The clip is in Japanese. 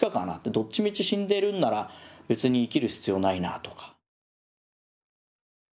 どっちみち死んでるんなら別に生きる必要ないなあとか。